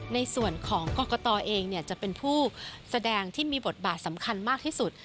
ในส่วนของกรกตเองจะเป็นผู้แสดงที่มีบทบาทสำคัญมากที่สุด